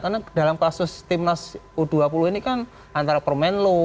karena dalam kasus timnas u dua puluh ini kan antara permen low